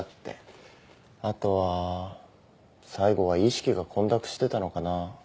あとは最後は意識が混濁してたのかな。